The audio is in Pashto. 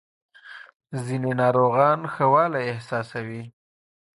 ځینې ناروغان ښه والی احساسوي.